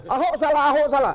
ahok salah ahok salah